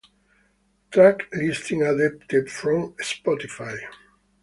Track listing adapted from Spotify.